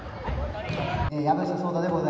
え薮下颯太でございます。